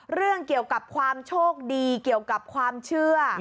เรื่องเกี่ยวกับความโชคดีเกี่ยวกับความเชื่อ